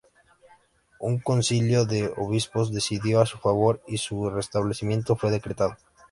Un concilio de obispos decidió en su favor y su restablecimiento fue decretado.